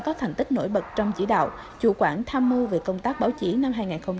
có thành tích nổi bật trong chỉ đạo chủ quản tham mưu về công tác báo chí năm hai nghìn hai mươi